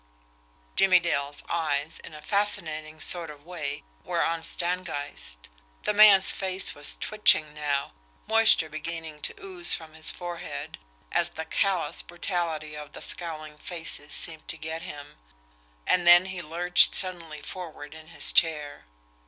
Jimmie Dale's eyes, in a fascinated sort of way, were on Stangeist. The man's face was twitching now, moisture began to ooze from his forehead, as the callous brutality of the scowling faces seemed to get him and then he lurched suddenly forward in his chair.